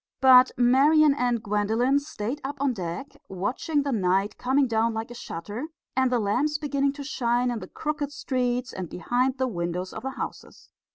But Marian and Gwendolen stayed up on deck, watching the night coming down like a shutter, and the lamps beginning to shine in the crooked streets and behind the windows of the houses.